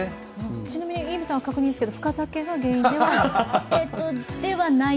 ちなみに、日比さん念のためですけど深酒が原因ではない？